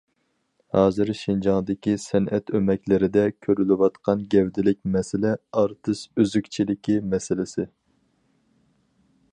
ھازىر شىنجاڭدىكى سەنئەت ئۆمەكلىرىدە كۆرۈلۈۋاتقان گەۋدىلىك مەسىلە ئارتىس ئۈزۈكچىلىكى مەسىلىسى.